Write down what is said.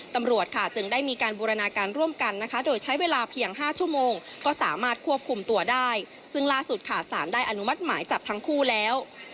ตำรวจค่ะจึงได้มีการบูรณาการร่วมกันนะคะโดยใช้เวลาเพียง๕ชั่วโมงก็สามารถควบคุมตัวได้ซึ่งล่าสุดค่ะสารได้อนุมัติหมายจับทั้งคู่แล้ว